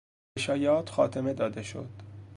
به شایعات خاتمه داده شد.